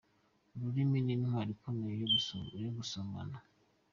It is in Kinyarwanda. Ururimi ni intwaro ikomeye yo gusomana.